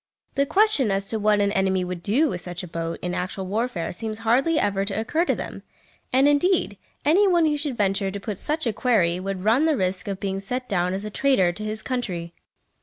The question as to what an enemy would do with such a boat in actual warfare seems hardly ever to occur to them; and, indeed, any one who should venture to put such a query would run the risk of being set down as a traitor to his country!